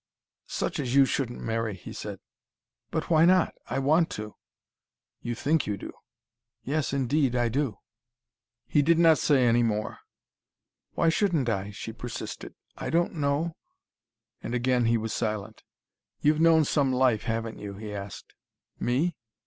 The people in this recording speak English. "Such as you shouldn't marry," he said. "But why not? I want to." "You think you do." "Yes indeed I do." He did not say any more. "Why shouldn't I?" she persisted. "I don't know " And again he was silent. "You've known some life, haven't you?" he asked. "Me?